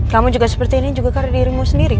kamu juga seperti ini karir dirimu sendiri kan